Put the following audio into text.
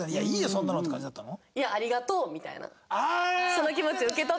そんなの」って感じだったの？